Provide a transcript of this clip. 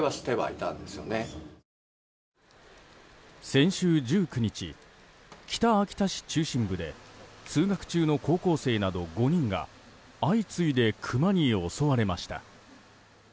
先週１９日、北秋田市中心部で通学中の高校生など５人が相次いでクマに襲われました。